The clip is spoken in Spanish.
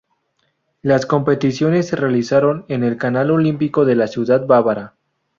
Las competiciones se realizaron en el Canal Olímpico de la ciudad bávara.